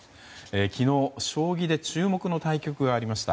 昨日、将棋で注目の対局がありました。